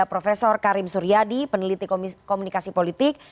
prof karim suryadi peneliti komunikasi politik